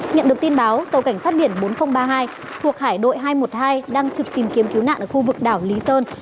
nhận được tin báo tàu cảnh sát biển bốn nghìn ba mươi hai thuộc hải đội hai trăm một mươi hai đang trực tìm kiếm cứu nạn ở khu vực đảo lý sơn